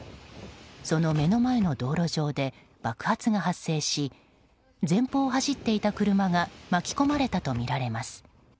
その目の前の道路上で爆発が発生し前方を走っていた車が巻き込まれたとみられます。